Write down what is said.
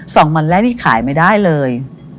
วันแรกที่ขายไม่ได้เลย